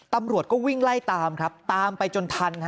ตำรวจก็วิ่งไล่ตามครับตามไปจนทัน